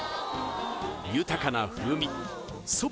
豊かな風味そば